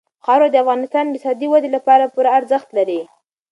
خاوره د افغانستان د اقتصادي ودې لپاره پوره ارزښت لري.